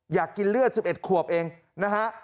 อยากกินเลือด๑๑ขวบเองนะฮะ